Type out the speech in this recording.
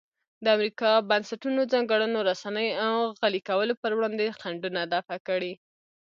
د امریکا بنسټونو ځانګړنو رسنیو غلي کولو پر وړاندې خنډونه دفع کړي.